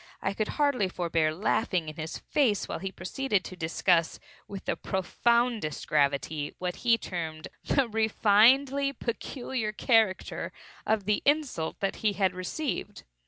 I could hardly forbear laughing in his face while he proceeded to discuss, with the profoundest gravity, what he termed "the refinedly peculiar character" of the insult he had received.